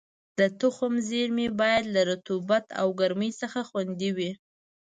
د تخم زېرمې باید له رطوبت او ګرمۍ څخه خوندي وي.